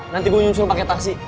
nanti gue nyuncul pake taksi